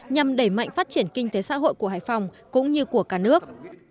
nhằm đẩy mạnh phát triển kinh tế xã hội của hải phòng cũng như của cả nước